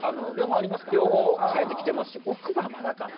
両方生えてきてますし奥歯まだかな。